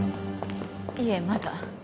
いえまだ。